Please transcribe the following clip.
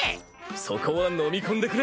そこは飲み込んでくれ。